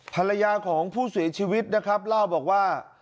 ภรรยาของผู้เสียชีวิตนะครับเล่าบอกว่า